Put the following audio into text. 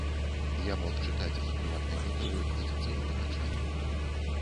Я мог чытаць на прыватнай кватэры хоць цэлымі начамі.